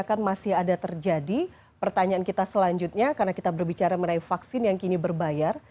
bahkan masih ada terjadi pertanyaan kita selanjutnya karena kita berbicara mengenai vaksin yang kini berbayar